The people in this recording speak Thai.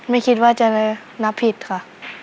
ไม่คิดว่าจะนับผิดค่ะ